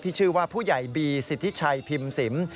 ชื่อว่าผู้ใหญ่บีสิทธิชัยพิมพ์สิม